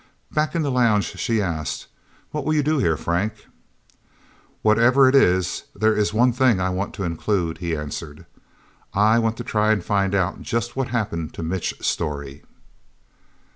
Back in the lounge, she asked, "What will you do here, Frank?" "Whatever it is, there is one thing I want to include," he answered. "I want to try to find out just what happened to Mitch Storey."